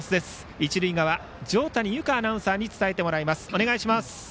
一塁側、条谷有香アナウンサーに伝えてもらいます。